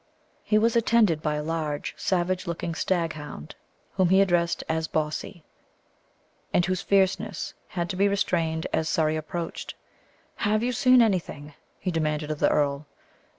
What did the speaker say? He was attended by a large savage looking staghound, whom he addressed as Bawsey, and whose fierceness had to be restrained as Surrey approached. "Have you seen anything?" he demanded of the earl.